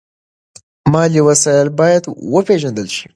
مالي وسایل باید وپیژندل شي.